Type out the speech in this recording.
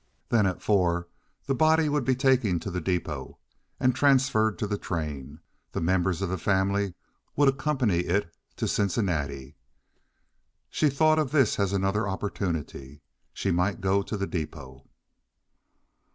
Then at four the body would be taken to the depôt, and transferred to the train; the members of the family would accompany it to Cincinnati. She thought of this as another opportunity. She might go to the depôt.